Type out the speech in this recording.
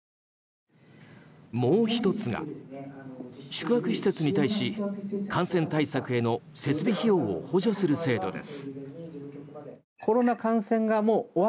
もう１つが宿泊施設に対し感染対策への設備費用を補助する制度です。